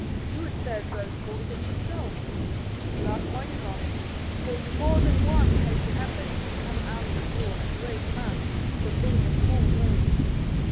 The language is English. You would serve both God and yourself; luck might come, for to more than one has it happened to come out of war a great man, from being a small noble.